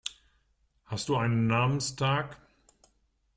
Hast du einen Namenstag?